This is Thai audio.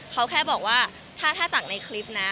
เขาแค่บอกว่าถ้าจากในคลิปนะ